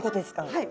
はい。